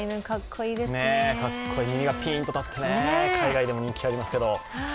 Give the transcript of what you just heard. かっこいい、ピーンと立って、海外でも人気がありますけど。